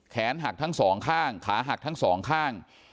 แขนหักทั้งสองข้างขาหักทั้งสองข้าง